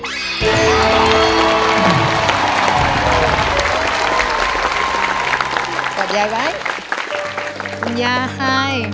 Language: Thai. กรรมการตัดยายไว้คุณยายค่ะ